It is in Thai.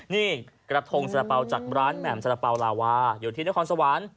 นี่กระทงสาระเป๋าจากร้านแหม่มสารเป๋าลาวาอยู่ที่นครสวรรค์